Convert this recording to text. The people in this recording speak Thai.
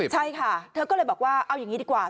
ใช่ค่ะเธอก็เลยบอกว่าเอาอย่างนี้ดีกว่า